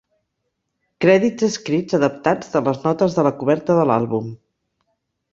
Crèdits escrits adaptats de les notes de la coberta de l'àlbum.